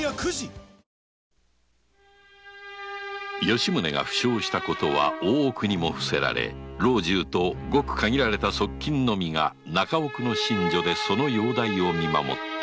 吉宗が負傷したことは大奥にも伏せられ老中とごく限られた側近のみが中奥の寝所でその容体を見守った